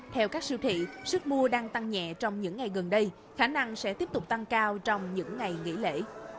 theo các siêu thị sức mua đang tăng nhẹ trong những ngày gần đây khả năng sẽ tiếp tục tăng cao trong những ngày nghỉ lễ